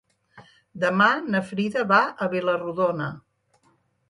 Demà na Frida va a Vila-rodona.